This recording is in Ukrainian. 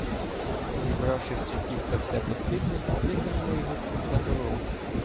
Забравши з чекіста все потрібне, викинули його труп на дорогу.